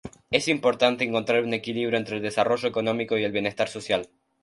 Es importante encontrar un equilibrio entre el desarrollo económico y el bienestar social.